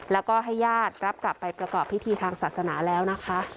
แล้วก็ให้ญาติรับกลับไปประกอบพิธีทางศาสนาแล้วนะคะ